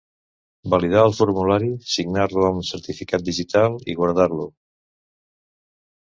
Validar el formulari, signar-lo amb certificat digital i guardar-lo.